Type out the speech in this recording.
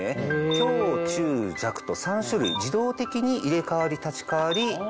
強中弱と３種類自動的に入れ代わり立ち代わり。